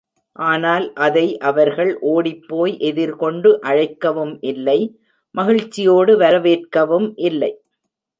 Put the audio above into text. ஆனால், அதை அவர்கள் ஓடிப்போய் எதிர் கொண்டு அழைக்கவும் இல்லை மகிழ்ச்சியோடு வரவேற்கவும் இல்லை!